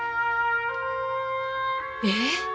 えっ？